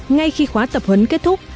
ngay khi khóa tập huấn kết thúc